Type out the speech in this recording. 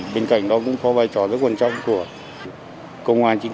bên cạnh đó cũng có vai trò rất quan trọng của công an